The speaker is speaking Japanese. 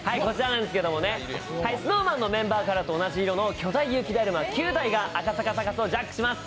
ＳｎｏｗＭａｎのメンバーカラーと同じ色の巨大雪だるま９体が赤坂サカスをジャックします。